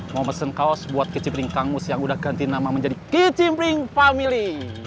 mau pesen kaos buat kicimbring kang mus yang udah ganti nama menjadi kicimbring family